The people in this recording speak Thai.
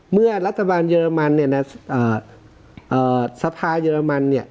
เมื่อรัฐบาลเยอรมันเนี่ยนะสภาเยอรมันเนี่ย